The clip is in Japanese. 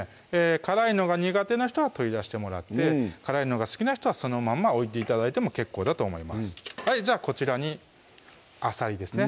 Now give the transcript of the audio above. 辛いのが苦手な人は取り出してもらって辛いのが好きな人はそのまんま置いて頂いても結構だと思いますじゃあこちらにあさりですね